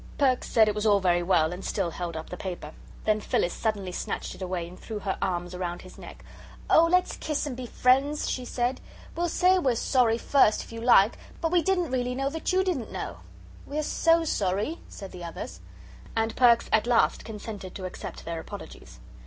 Perks said it was all very well, and still held up the paper. Then Phyllis suddenly snatched it away, and threw her arms round his neck. "Oh, let's kiss and be friends," she said; "we'll say we're sorry first, if you like, but we didn't really know that you didn't know." "We are so sorry," said the others. And Perks at last consented to accept their apologies.